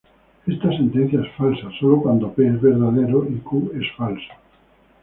Esta sentencia es falsa solo cuando "P" es verdadero y "Q" es falso.